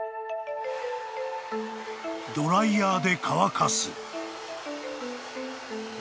［ドライヤーで乾かす］